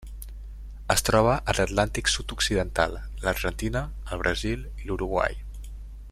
Es troba a l'Atlàntic sud-occidental: l'Argentina, el Brasil i l'Uruguai.